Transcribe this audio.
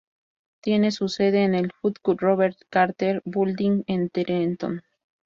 Tiene su sede en el Judge Robert L. Carter Building en Trenton.